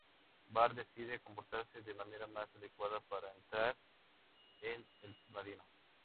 Bart decide comportarse de manera más adecuada para entrar en el submarino.